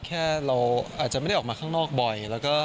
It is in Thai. แค่เราอาจจะไม่ได้ออกมาข้างนอกบ่อย